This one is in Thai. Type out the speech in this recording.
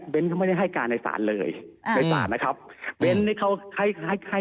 เบ้นให้งานในศาลอย่างไรบ้าง